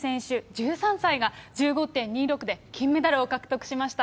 １３歳が、１５．２６で金メダルを獲得しました。